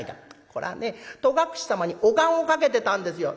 「これはね戸隠様にお願をかけてたんですよ」。